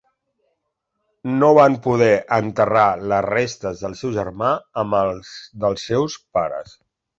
No van poder enterrar les restes del seu germà amb els dels seus pares.